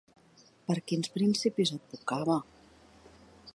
Per quins principis advocava?